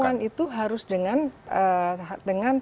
kemauan itu harus dengan